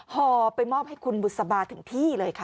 ห่อไปมอบให้คุณบุษบาถึงที่เลยค่ะ